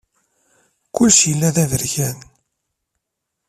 Kullec yella d aberkan.